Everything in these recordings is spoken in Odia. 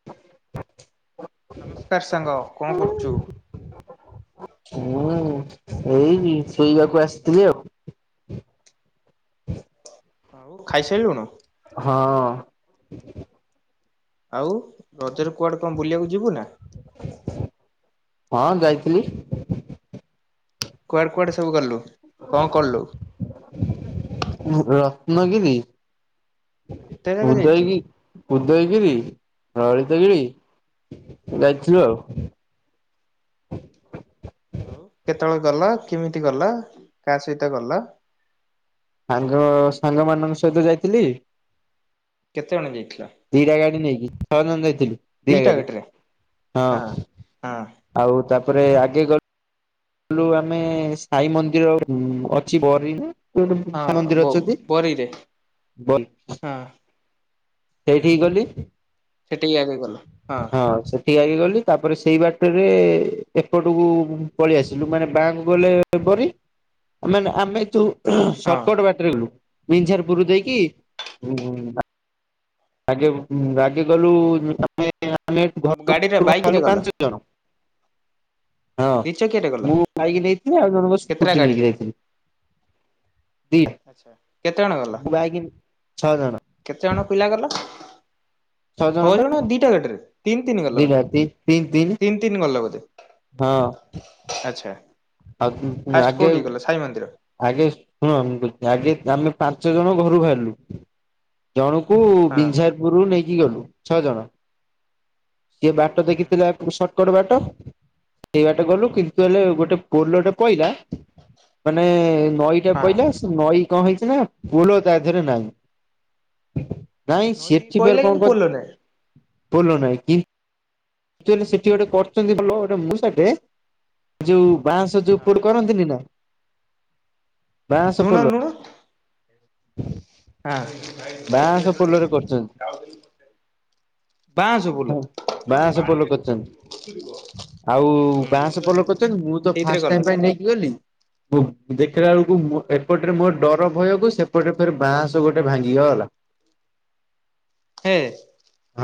[inaudible] ନମସ୍କାର ସାଙ୍ଗ କଣ କରୁଛୁ? ମୁଁ ଏଇ ଶୋଇବାକୁ ଆସିଥିଲି ଆଉ। ଆଉ ଖାଇସାରିଲୁଣି। ହଁ। ଆଉ ରଜରେ କୁଆଡେ କଣ ବୁଲିବାକୁ ଯିବୁ ନା। ହଁ ଯାଇଥିଲି। କୁଆଡେ କୁଆଡେ ସବୁ ଗଲୁ କଣ କଲୁ। ରତ୍ନଗରିି। ଏତେ ଜାଗା ଯାଇଥିଲୁ? ଉଦୟି ଉଦୟଗିରି ହଁ ରଳିତଗିରି। ହଁ ଯାଇଥିଲୁ ଆଉ। ଆଉ କେତେବେଳେ ଗଲା କେମିତି ଗଲ କାହା ସହିତ ଗଲ? ସାଙ୍ଗ ସାଙ୍ଗ ମାନଙ୍କ ସହିତ ଯାଇଥିଲି। କେତେ ଜଣ ଯାଇଥିଲା? ଦିଟା ଗାଡି ନେଇକି ଛଅ ଜଣ ଯାଇଥିଲୁ ଦିଟା ଗାଡି ହଁ। ହଁ। ଆଉ ତାପରେ ଆଗେ ଗଲେ କଲୁ ଆମେ ସାଇ ମନ୍ଦିର ଅଛି ହଁ ବରୀରେ ମନ୍ଦିର ବୋ ଅଛନ୍ତି ବୋରିରେ ବଲ ହଁ ସେଇଠିିକି ଗଲି। ସେଠିକି ଆଗେଇ ଗଲ ହଁ। ଠିଆ ହେ ଗଲି ତାପରେ ସେଇ ବାଟରେ ଏପଟକୁ ପଳେଇ ଆସିଲୁ ମାନେ ବ୍ୟାଙ୍କ ଗଲେ ପ ମାନେ ଆମେ ତୁ ହଁ ସଟକଟ ବାଟ ମି ପୁର ଦେଇକି ଆଗେ ରାଗେ ଗଲୁ ଆମେ ଆମେ ଗାଡିରେ ବାଇକ ରେ ଘରଲୁ ଗଲ? ପାଞ୍ଚ ଜଣ। ହଁ ଦି ଚକିଆରେ ଗଲ? ମୁଁ ଯାଇକି ନେଇଥିଲି ଆଉ ଜଣ କେତେଟା ବୁଟି ଗାଡିରେ? ନେଇକି ଯାଇଥିଲି। ଦଇ। ଆଛା କେତେ ଜଣ ଗଲ ଛଅ ଜଣ କେତେଜଣ ପିଲା ଗଲ? ଛଅ ଜଣ ଦିଟା ଗାଟରେ ତିନି ତିନି ଗଲା ଦିଟା ବୋଧେ ତିନି ତିନି ତିନି ଗଲା ବୋଧେ? ହଁ। ଆଚଛା ଆଉ ଫାଷ୍ଟ ଆଗେ କୋଉଠିକି ଗଲ ସାଇ ମନ୍ଦିର। ଆଗେ ଶୁଣ ଆଗ ଆମେ ପାଞ୍ଚ ଜଣ ଘରୁ ବାହାରିଲୁ। ଜଣକୁ ହଁ ବିଂଜାରପୁରରୁୁ ନେଇକି ଗଲୁ ଛଅ ଜଣ। ସେିଏ ବାଟ ଦେଖିଥିଲା ସଟକଟ ବାଟ ସେଇ ବାଟ ଗଲୁ କିନ୍ତୁ ହେଲେ ଗୋଟେ କୋଲଟା ପହଲାା ମାନେ ନଈଟା ହଁ। ପହଲା ନଈ କଣ ହେଇଛି ନା ଫୁଲ ତା ଦେହରେ ନହିଁ। ନାଇଁ ନଈ ସେଫଠି ଫର ପଇଲା କଣ କିନ୍ତୁ କର ପୋଲ ନାହିଁ ବଲ ନାଇଁ। ସେଠି ଗୋଟେ କରଛନ୍ତି ଭଲ ଗୋଟେ ମୁଁ ସାଠେ। ଯୋଉ ବାଁଶ ଯୋଉ ଉପଡ କରନ୍ତିନି ନା। ନୁଣଲ ନୁଣ। ହ [inaudible] ହଁ। ବାଁଶ ପୋଲରେ କରୁଛନ୍ତି। ବାଁସବ ହଁ ବୁଲ। ବାଁଶ ପୋଲ କରଛନ୍ତି ଆଉ ବାଁଶ ପୋଲ କରଛନ୍ତି ମୁଁ ତ ସେଇଥିରେ ଫାଷ୍ଟ ଗଲ ଟାଇ ପାଇଁ ନେଇି କିିଲ। ମୁଁ ଦେଖିଲା ବେଳକୁ ଏପଟରେ ମୋର ଡର ଭୟକୁ ସେପଟେ ଫର ବାଁସ ଗୋଟେ ଭାଙ୍ଗିଗଲା। ହେ।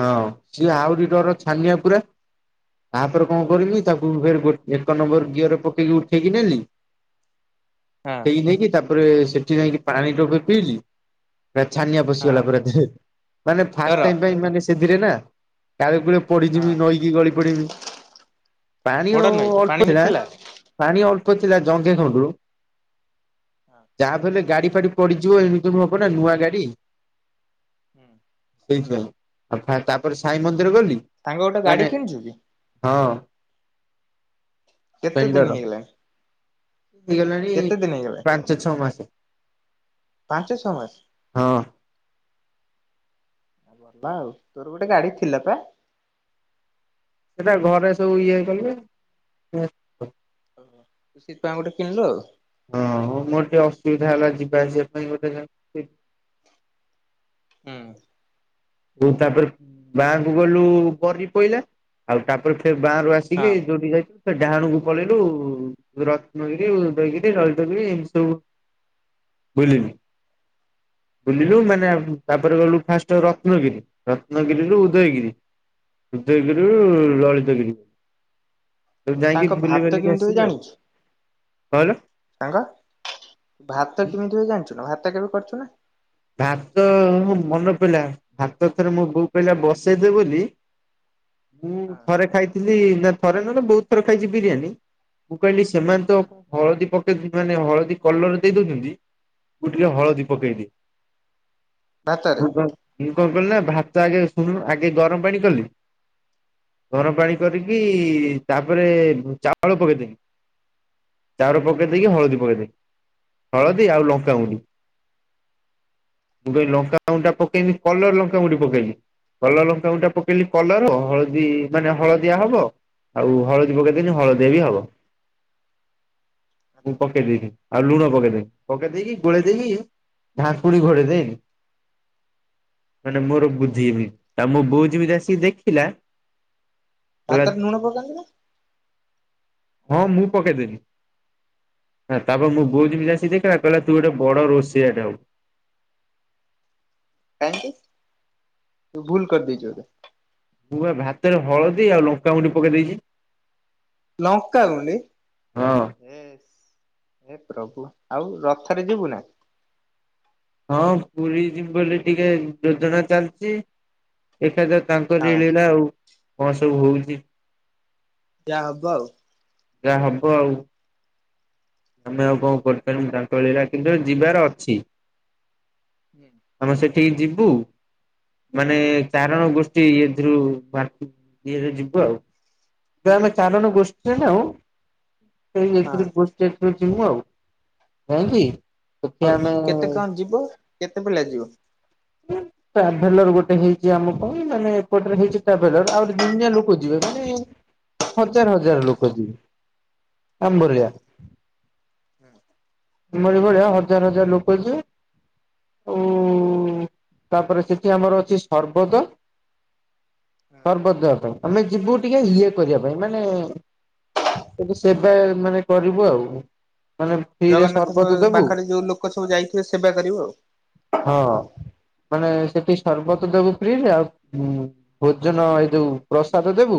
ହଁ ସିଏ ଆଉରି ଡର ଛାନିଆ ପୁରା। ତାପରେ କଣ କରମି ତାକୁ ଫ ଏକ ନମ୍ବର ଘିଅରେ ପକେଇକି ଉଠେଇକି ନେଲି ହଁ ଉଠେଇକି ନେଇକି ତାପରେ ସେଠି ଯାଇକି ପାଣି ଟୋକ ପିଇଲିି ପ ଛାନିଆ ହଁ ପଶିଗଲା ପୁରା ଦେହରେ ମାନେ ଫାଷ୍ଟ ଡର ଟାଇ ପାଇଁ ମାନେ ସେଥିରେ ନା ତ ପରେ ପୁଣି ହଁ। ପଡିଯମି ନଈକି ଗଳି ପଡିବି ପାଣି ବଡ ଆଉ ନଈ ଅଳ୍ପ ପାଣି ବି ଥିଲା। ପାଣି ଅଳ୍ପ ଥିଲା ଜଘେ ଖଣ୍ଡରୁ ଯାହାଫଲେ ଗାଡି ଫାଡି ପଡିଯିବ ଏମିତିମ ହବ ନା ନୂଆ ଗାଡି। ହୁଁ। ସେଇଥିପାଇଁ ଆଉ ତାପରେ ସାଇ ମନ୍ଦିର ଗଲି ସଙ୍ଗ ଗୋଟେ ମାନେ ଗାଡ଼ି କିଣିଛୁ କି? ହଁ। କେତେ ସ୍ପେଣ୍ଡର ଦିନ ହେଇଗଲାଣି। ହେଇଗଲାଣି କେତେ ଦିନ ହେଇଗଲାଣି ପାଞ୍ଚ ଛଅ ମାସ। ପାଞ୍ଚ ଛଅମାସ। ହଁ ତୋର ଗୋଟେ ଗାଡି ଥିଲା ପା। ସେଟା ଘରେ ସବୁ ଇଏ କଲେ ସେଇଥିପାଇଁ ଗୋଟେ କିଣିଲୁ ଆଉ। ହଁ ମୋର ଟିକେ ଅସୁବିଧା ହେଲା ଯିବା ଆସିବା ପାଇଁ ବୋଧେ। ହୁଁ। ହ ତାପରେ ଗାଁକୁ ଗଲୁ ପରି ପଇଲାା ଆଉ ତାପରେ ଫ ଗାଁରୁ ଆସି। ହଁ ଟିକେ ଯୋଡ଼ି ଯାଇଛି। ସେ ଡାହାଣକୁ ପଳେଇଲୁ ରତ୍ନକରି ଉଦୟକିରି ରଳିଦକରି ଏମିତି ସବୁ ବୁଲିଲ ବୁଲିଲୁ ହୁଁ। ମାନେ ତାପରେ ଗଲୁ ଫାଷ୍ଟ ର ନୁହଁକି ରତ୍ନଗିରିରୁ ଉଦୟଗିରି ହୃଦୟଗିରୁ ଲଳିତଗିରି ତୁ ଯାଇଁକି ତାଙ୍କ ବୁଲି ଭାତ ବଲିକି କେମିତି ହୁଏ ଆସିଲୁ ଆଉ ଜାଣିଛୁ କଅଁ କହିଲା? ସାଙ୍ଗ ଭାତ କେମିତି ହୁଏ ଜାଣିଛୁ ନା ଭାତ କେବେ କରୁଛୁ ନା? ଭାତ ମନେ ପଡିଲା ଭାତ ଥରେ ମୁଁ ବୋଉ କହିଲ ବସେଇଦେବ ବୋଲି ମୁଁ ଥରେ ଖାଇଥିଲି ନା ଥରେ ନୁହଁ ବହୁତ ଥରେ ଖାଇଛି ବିରିୟାନୀ କୁ କହିଲି ସେମାନେ ତ ହଳଦୀ ପକେଇ ମାନେ ହଳଦୀ କଲରରେ ଦେଇ ଦଉଛନ୍ତି। ତୁ ଟିକେ ହଳଦୀ ପକେଇ ଦେ। ଭାତରେ ମୁଁ କଣ ମୁଁ କଣ କଲିି ନା ଭାତ ଆଗେ ଶୁଣୁ ଆଗେ ଗରମ ପାଣି କଲି ଗରମ ପାଣି କରିକି ତାପରେ ଚାଉଳ ପକେଇଦେବି ଚାଉର ପକାଇ ଦେଇକି ହଳଦୀ ପକାଇ ଦେଇି ହଳଦୀ ଆଉ ଲଙ୍କାଗୁଡ଼ି ମୁଁ ଭାଇ ଲଙ୍କାଗୁଣ୍ଡାଟା ପକେଇନି କଲର ଲଙ୍କାଗୁଣ୍ଡି ପକେଇଲି। କଲର ଲଙ୍କାଗୁଣ୍ଡିଟା ପକେଇଲି କଲର ହଳଦୀ ମାନେ ହଳଦିଆ ହବ ଆଉ ହଳଦୀ ପକେଇଦଲେି ହଳଦିଆ ବି ହବ। ମୁଁ ପକେଇ ଦେଲି ଆଉ ଲୁଣ ପକେଇ ଦେନି ପକେଇ ଦେଇେଇକି ଗୋଳେଇ ଦେଇକି ଘା ପୁଣି ଘୋଡେଇ ଦେଇନି। ମାନେ ମୋର ବୁଦ୍ଧିମି ହେଇନି ଆଉ ମୋ ବୋଉ ଯେମିତି ଆସିକି ଦେଖିଲା କହିଲା ଭାତରେ ଲୁଣ ପକାନ୍ତି ନା? ହଁ ମୁଁ ପକେଇଦେ ନି ତାପରେ ମୋ ବୋଉ ଯେମିତି ଆସିକି ଦେଖିଲା କହିଲା ତୁ ଗୋଟେ ବଡ ରୋଷୋଆ ଟେ ହବୁ। କାହିଁକି ତୁ ଭୁଲ କରି ଦେଇଛୁ। ମୁଁ ବା ଭାତରେ ହଳଦୀ ଆଉ ଲଙ୍କାମୁଣ୍ଡି ପକେଇ ଦେଇଛି। [unintelligible] ହୁଁ ହଁ। ଏ ପ୍ରଭୁ ଆଉ ରଥରେ ଯିବୁ ନା। ହଁ ପୁରୀ ଯିବି ବୋଲି ଟିକେ ଯୋଜନା ଚାଲିଛି। ଦେଖାଯାଉ ତାଙ୍କରି ହଁ ଲୀଳା ଆଉ କଣ ସବୁ ହଉଚି। ଯାହା ହବ ଆଉ। ଯାହା ହବ ଆଉ। ଆମେ ଆଉ କଣ କରିପାରିବୁ ତାଙ୍କରି ଲୀଳା କିନ୍ତୁ ଯିବାର ଅଛି। ହୁଁ ଆମେ ସେଠିକି ଯିବୁ ମାନେ ଚାରଣ ଗୋଷ୍ଠ ଇଥିରୁ ବା ଇଏରେ ଯିବୁ ଆଉ। ଆମେ ଚାରଣ ଗୋଷ୍ଠୀ ରେ ନାହୁଁ ହଁ ସେଇ [unintelligible] ଆଉ ଆମେ କେତେ କଣ ଯିବ କେତେ ପିଲା ଯିବ? ହଁ ଟ୍ରାଭେଲର ଗୋଟେ ହେଇଛି ଆମ ପାଇଁ ମାନେ ଏପଟରେ ହେଇଛି ଟ୍ରାଭେଲର ଆହୁରି ଦୁନିଆ ଲୋକ ଯିବେ ମାନେ ହଜାର ହଜାର ଲୋକ ଯିବେ ଆଚ୍ଛା। ଆମବରିଆ। ଆମରି ଭଳିଆ ହଜାର ହଜାର ଲୋକ ଯିବେ ଆଉ ତାପରେ ସେଠି ଆମର ଅଛି ସର୍ବତ ସର୍ବଦ୍ୱାତ। ଆମେ ଯିବୁ ଟିକେ ଇଏ କରିବା ପାଇଁ ମାନେ ତ ସେବା ମାନେ କରିବୁ ଆଉ। ମାନେ ଫ୍ରିରେ ଜଗନ୍ନାଥଙ୍କ ସର୍ବତ ଦେବୁ ପାଖରେ ଯୋଉ ଲୋକ ସବୁ ଯାଇଥିବେ ସେବା କରିବ ଆଉ। ହଁ ମାନେ ସେଠି ସର୍ବତ ଦେବୁ ଫ୍ରିରେ ଆଉ ଭୋଜନ ଏଇ ଯୋଉ ପ୍ରସାଦ ଦେବୁ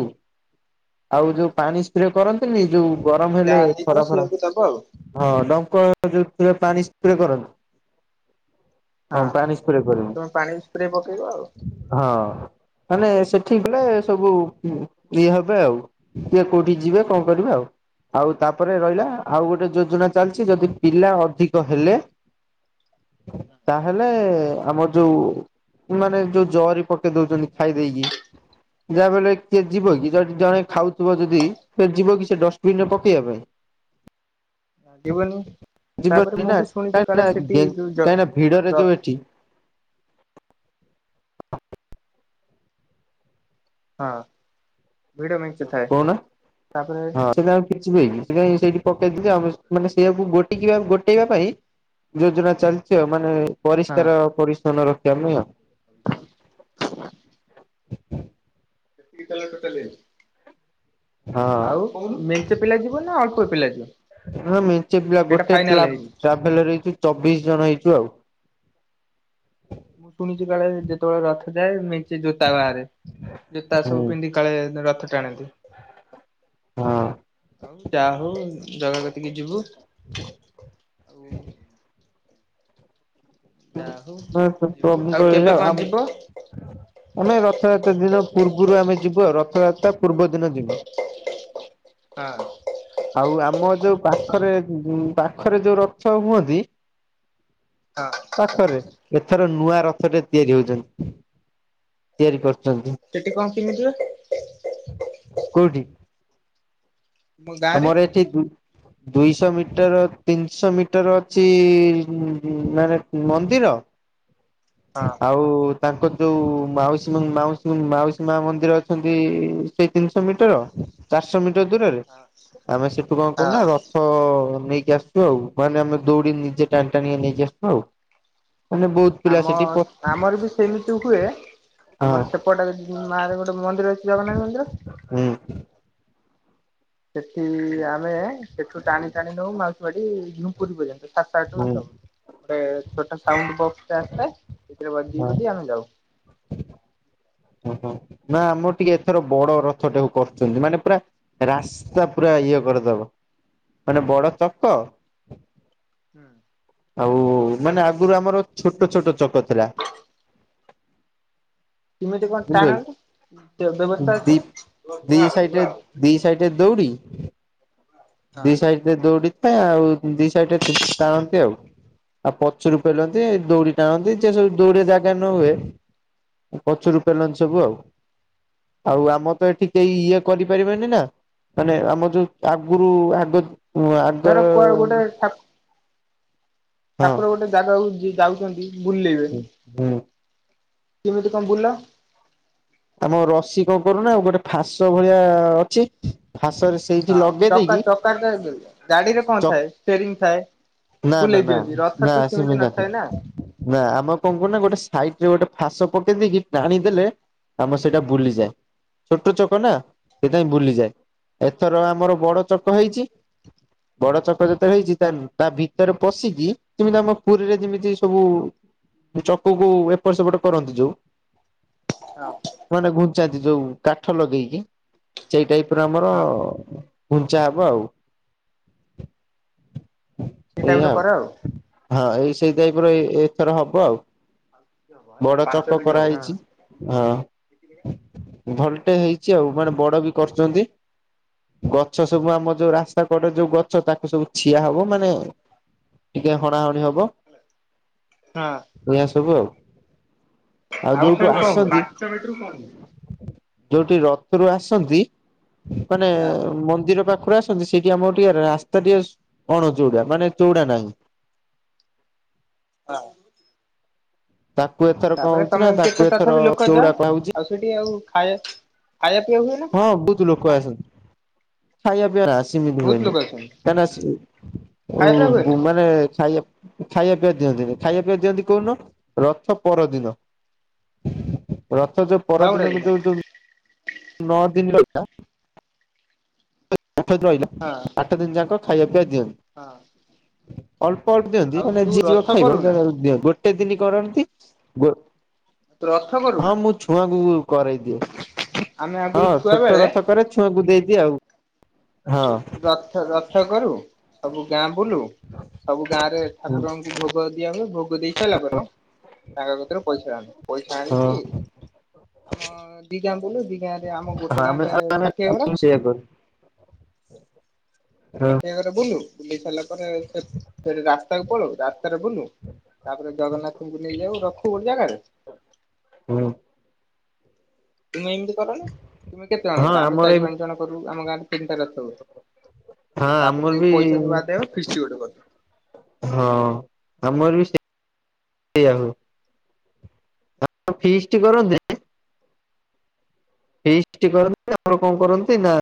ଆଉ ଯୋଉ ପାଣି ସ୍ପ୍ରେ କରନ୍ତିନି। ଯୋଉ ଗରମ ହେଲେ ଯାହା ହେଇଥିବ ଖରା ଫରା ସେଇଆକୁ ଦବ ଆଉ। ହଁ ଡଙ୍କର ଯୋଉ ଥିଲା ପାଣି ସ୍ପ୍ରେ କରନ୍ତି। ହଁ ପାଣି ସ୍ପ୍ରେ କର ତମେ ପାଣି ସ୍ପ୍ରେ ପକେଇବା ଆଉ। ହଁ ମାନେ ସେଠିକ ଗଲେ ସବୁ ଇଏ ହେବେ ଆଉ। କିଏ କୋଉଠି ଯିବେ କଣ କରିବେ ଆଉ। ଆଉ ତାପରେ ରହିଲା ଆଉ ଗୋଟେ ଯୋଜନା ଚାଲିଛି ଯଦି ପିଲା ଅଧିକ ହେଲେ ତାହେଲେ ଆମର ଯୋଉ ମାନେ ଯୋଉ ଜରି ପକେଇ ଦଉଛନ୍ତି ଖାଇ ଦେଇକି ଯାହା ବଲେ କିଏ ଯିବ କି ଯଦି ଜଣେ ଖାଉଥିବ ଯଦି ସେ ଯିବ କି ସେ ଡଷ୍ଟବିନ ରେ ପକେଇବା ପାଇଁ। ଯିବନି ତାପରେ ଯିବନି ମୁଁ ନା ବି ଶୁଣିଛି କାହିଁକି ନା କାଳେ ସେଠି ଯୋଉ ଜ କାହିଁକି ନା ଭିଡରେ ଜ ଯୋଉ ଏଠି ହଁ ଭିଡ଼ ମେଞ୍ଚେ ଥାଏ କହୁନା ତାପରେ ହଁ ସେଟା ଆଉ କିଛି [unintelligible] ସେଇଠି ପକେଇଦଛି ଆଉ ମାନେ ସେଇଆକୁ ଗୋଟ ଗୋଟେଇବା ପାଇଁ। ଯୋଜନା ଚାଲିଛି ଆଉ ମାନେ ହଁ ପରିଷ୍କାର ପରିଚ୍ଛନ୍ନ ରଖିବା ପାଇଁ ଆଉ। [inaudible] କେତିକୀ ଜଣ ଟୋଟାଲ। ହଁ ଆଉ ମେଞ୍ଚେ ପିଲା ଯିବ ନା ଅଳ୍ପ ପିଲା ଯିବ? ହ ମେଞ୍ଚେ ପିଲା ସେଇଟା ଗୋଟେ ଫାଇନାଲ ଟ୍ରା ହେଇନି ଟ୍ରାଭେଲର ହେଇ ଚବିଶ ଜଣ ହେଇଛୁ ଆଉ। ମୁଁ ଶୁଣିଛି କାଳେ ଯେତେବେଳେ ରଥ ଯାଏ ମେଞ୍ଚେ ଜୋତା ବାହାରେ ଜୋତା ହଁ ସବୁ ପିନ୍ଧିକି ସକାଳେ ରଥ ଟାଣନ୍ତି। ହଁ ହଉ ଯାହା ହଉ ଜାଗା କତିକି ଯିବୁ ଆଉ [inaudible] ଯା ହଉ ପ୍ରଭୁଙ୍କ ଆଉ ଲୀଳା କେବେ ଆମ କଣ ଯିବ? ଆମେ ରଥଯାତ୍ରା ଦିନ ପୂର୍ବରୁ ଆମେ ଯିବୁ ଆଉ ରଥଯାତ୍ରା। ତା ପୂର୍ବ ଦିନ ଯିବୁ। ହଁ ଆଉ ଆମ ଯୋଉ ପାଖରେ ପାଖରେ ଯୋଉ ରଥ ହୁଅନ୍ତି। ହଁ। ପାଖରେ ଏଥର ନୂଆ ରଥ ଟେ ତିଆରି ହଉଛନ୍ତି ତିଆରି କରୁଛନ୍ତି। ସେଠି କଣ କେମିତିିବ। କୋଉଠି? ଆମ ଗାଁରେ ଆମର ଏଠି। ଦୁଇଶ ମିଟର ତିନିଶ ମିଟର ଅଛି ମାନେ ମନ୍ଦିର। ହଁ। ଆଉ ତାଙ୍କର ଯୋଉ ମାଉସୀ ମାଉସୀ ମାଉସୀ ମା ମନ୍ଦିର ଅଛନ୍ତି। ସେଇ ତିନିଶ ମିଟର ଚାରିଶହ ମିଟର ଦୂରରେ ଆମେ ସେଠୁ କଣ ହଁ। କରୁନା ର ଥ ନେଇକି ଆସିଚୁ ଆଉ ମାନେ ଆମେ ଦଉଡି ନିଜେ ଟାଣି ଟାଣିକା ନେଇକି ଆସିଚୁ ଆଉ। ମାନେ ବହୁତ ପିଲା ଆମ ସେଠି। ପ ଆମର ବି ସେମିତି ହୁଏ ହଁ ଆମର ସେପଟେ ଯଦି ମାର ଗୋଟେ ମନ୍ଦିର ଅଛ୍ ଜଗନ୍ନାଥ ମନ୍ଦିର। ହୁଁ। ସେଠି ଆମେ ସେଠୁ ଟାଣି ଟାଣି ନଉ ମାଉସୀ ବାଡି ଝୁ ପୁରୀ ପର୍ଯ୍ୟନ୍ତ ସାତଟା ଆଇଟମ୍ ହୁଁ ହିସାବ ହବ ଛୋଟ ସାଉଣ୍ଡ ବକ୍ସ୍ ଟେ ଆସିଥାଏ। ସେଥିରେ ବଜେଇ ହଁ ବଜେଇ ଆମେ ଯାଉ। ଓହୋ ନା ଆମର ଟିକେ ଏଥର ବଡ ରଥ ଟାକୁ କରିଛନ୍ତି ମାନେ ପୁରା ରାସ୍ତା ପୁରା ଇଏ କରିଦବ ମାନେ ବଡ ଚକ ହୁଁ। ଆଉ ମାନେ ଆଗରୁ ଆମର ଛୋଟ ଛୋଟ ଚକ ଥିଲା। [inaudible] କେମିତି କଣ ଟାଣନ୍ତି ଜାଣିଚକି ବ୍ୟବସ୍ଥା ଅଛି ନା ଦିଦି ସାଇଟରେ ଦି ସାଇଟରେ ଦଉଡି। ଦି ହଁ। ସାଇଡ ରେ ଦଉଡିଥାଏ ଆଉ ଦି ସାଇଡ ରେ ତ ଟାଣନ୍ତି ଆଉ। ଆ ପଛରୁ ପେଲନ୍ତି ଦଉଡ଼ି ଟାଣନ୍ତି ଯେ ସବୁ ଦଉଡିରେ ଜାଗା ନ ହୁଏ ପଛୁରୁ ପେଲନ୍ତି ସବୁ ଆଉ। ଆଉ ଆମର ତ ଏଠି କେହି ଇଏ କରିପାରିବେନି ନା ମାନେ ଆମର ଯୋଉ ଆକ୍‌ ଗୁରୁ ଆଦତ୍ ଉଁ ଆର୍ ଦ ଧର କୁଆଡେ ଗୋଟେ ଠାକୁର ଗୋଟେ ଜାଗାକୁ ଯି ଯାଉଛନ୍ତି ବୁଲେଇବେ। ହୁଁ କିମିତି କଁ ବୁଲ? ଆମ ରସି କଁ କରୁନା ଗୋଟେ ଫାସ ଭଳିଆ ଅଛି ଫାସରେ ସେଇଠି ହଁ ଲଗେଇ ଚକା ଦେଇକି ଚକାରେ ତାର ଦୁଇ ଗାଡି ରେ କଣ ଚକ ଥାଏ ଷ୍ଟେରିଙ୍ଗ ରିଙ୍ଗ ଥାଏ। ନା ନା ବୁଲେଇ ନା ଦିଅନ୍ତି ରଥ ନା ତ ସେମିତି ଆସିମରୁ ନାଖେ। ନଥାଏ ନା। ନା ଆମେ କଣ କରୁନା ଗୋଟେ ସାଇଟ ରେ ଗୋଟେ ଫାସ ପକେଇଦେଇେଇକି ଟାଣିଦେଲେ ଆମର ସେଇଟା ବୁଲିଯାଏ ଛୋଟ ଛକ ନା ସେଟାହିଁ ବୁଲିଯାଏ ଏଥର ଆମ୍ ଆମର ବଡ ଚକ ହେଇଚି ବଡ ଚକ ଯେତବେଳେ ହେଇଚି ତା ତା ଭିତରେ ପଶିକି ଯିମିତି ଆମ ପୁରୀରେ ଯିମିତି ସବୁ ଯୋ ଚକକୁ ଏପଟ ସେପଟ କରନ୍ତି ଯୋଉ ଣା। ମାନେ ଘୁଞ୍ଚାନ୍ତି ଯୋଉ କାଠ ଲଗେଇକି ସେଇ ଟାଇପ୍ ର ଆମର ହଁ ଘୁଞ୍ଚାହବ ଆଉ। ସେଇ ଟାଇପ ର ଏଇଆ ଆଉ କର ହଁ ଏଇ ସେଇ ଟାଇପ୍ ର ଏ ଏଥର ହବ ଆଉ। ବଡ ଚକ କରାହେଇଛି ହଁ ଭଲଟେ ହେଇ କଛି ଆଉ ମାନେ ବଡ ବି କର୍ ଛନ୍ତି। ଗଛ ସବୁ ଆମ ଯୋଉ ରାସ୍ତା କଡରେ ଯୋଉ ଗଛ ତାକୁ ସବୁ ଠିଆ ହବ ମାନେ ଟିକେ ହଣାହଣି ହବ। ହଁ। ଏଇଆ ସବୁ ଆଉ। ଆଉ ଯୋଉଠୁ ଆସନ୍ତି ସାଙ୍ଗ କଁ ହୁଏ? ଯୋଉଠି ରଥରୁ ଆସନ୍ତି ମାନେ ହଁ ମନ୍ଦିର ପାଖରୁ ଆସ୍‌ ଛନ୍ତି ସେଠି ଆମର ଟିକେ ରାସ୍ତା ଟିକେ ଅଣଚଉଡା ମାନେ ଚଉଡା ନାହିଁ। ହଁ। ତାକୁ ଏଥର କଣ ତାପରେ ହଉଛି ନା ତମେ ତାକୁ କେତେ ଏଥର ତଥାପି ଲୋକ ଚଉଡା ଯାମ୍ କୁହାହଉଛି। ଆଉ ସେଠି ଆଉ ଖାଇଆ ଖାଇଆ ପିଇବାକୁ ହେଲେ ସବୁତୁ ଲୋକ ଆସନ୍ତି ଖାଇଆ ପିଇଆ ନା ସିମିତି ବହୁତ ହୁଏନି। ଲୋକ ଅଛନ୍ତି କାଇଁନା ଖାଇବା ପିଇବା ଉଁ ହୁଏ ନା ଗୁଁ ମାନେ ଖାଇଆ ଖାଇଆ ପିଇଆ ଦିଅନ୍ତିନି ଖାଇଆ ପିଇଆ ଦିଅନ୍ତି କୋଉନ ରଥ ପରଦିନ। ରଥ ଯୋଉ ପର ଦିନ କୁଯୋଉ ଯୋଉ ନଅ ଦିନ ରହିଲା। ଆଠ ଧୁଆଇଲା। ହଁ। ଆଠ ଦିନ ଯାକ ଖାଇଆ ପିଇଆ ହଁ ଦିଅନ୍ତି। ଅଳ୍ପ ଅଳ୍ପ ଦିଅନ୍ତି ଆଉ ମାନେ ତୁ ଯିଏ ଯିବ ରଥ ଖାଇବ କରୁନା [unintelligible] ଗୋଟେ ଦିନି କରନ୍ତି ଗୋ ତୁ ରଥ ହଁ କରୁନା। ମୁଁ ଛୁଆଙ୍କୁ କରେଇଦିଏ ଆମେ ଆଗରୁ ହଁ ଛୁଆ ଛୋଟ ବେଳେ ରଥ କରେ ଛୁଆଙ୍କୁ ଦେଇଦିଏ ଆଉ। ହଁ। ରଥ ରଥ କରୁ ସବୁ ଗାଁ ବୁଲୁ ସବୁ ଗାଁ ରେ ଠାକୁରଙ୍କୁ ଭୋଗ ଦିଆ ହୁଏ ଭୋଗ ଦେଇ ସାଇଲା ପରେ ତାଙ୍କ କତୀରୁ ପଇସା ଆଣୁ ପଇସା ହଁ ଆଣିକି ଆମ ଦି ଗାଁ ବୁଲୁ ଦି ଗାଁରେ ଆମ ଗୋଟେ ଗାଁ ଆମେ ରେ ଆମେ ଷାଠିଏ ଘର। ସେଇଆ କରୁ। ହଁ ସାଠିଏ ଘରେ ବୁଲୁ ବୁଲି ସାରିଲା ପରେ ସେ ସେଠି ରାସ୍ତାକୁ ପଳଉ ରାସ୍ତାରେ ବୁଲୁ। ତାପରେ ଜଗନ୍ନାଥଙ୍କୁ ନେଇ ଯାଉ ରଖୁ ଗୋଟେ ଜାଗାରେ। ହୁଁ। ତୁମେ ଏମିତି କରନି ତୁମେ କେତେ ଜଣ ହଁ କର ଆମେ ଆମର ଚାରି ଏ ପାଞ୍ଚ ଜଣ କରୁ ଆମ ଗାଁରେ ତିନିଟା ରଥ ହୁଏ। ହଁ ଆମର ତାପରେ ବି ଯାଇକି ପଇସା ଯୋଉ ଆଦାୟ ହବ ଫିଷ୍ଟ ଗୋଟେ କରୁ। ହଁ ଆମର ବି ସେଆ ହୁଏ। ଆଉ ଫିଷ୍ଟ କରନ୍ତି। ଫିଷ୍ଟ କରନ୍ତି ଆମର କଣ କରନ୍ତି ନା